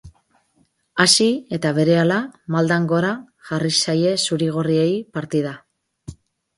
Hasi eta berehala, maldan gora jarri zaie zuri-gorriei partida.